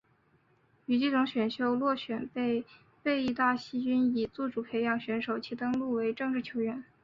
于季中选秀落选被被义大犀牛以自主培训选手其登录为正式球员。